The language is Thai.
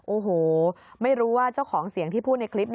โอ้โหไม่รู้ว่าเจ้าของเสียงที่พูดในคลิป